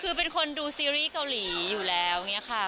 คือเป็นคนดูซีรีย์เกาหลีอยู่แล้ว